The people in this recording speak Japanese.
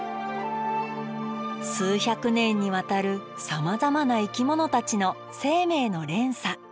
数百年にわたるさまざまな生き物たちの生命の連鎖。